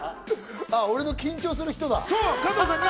俺の緊張する人だ。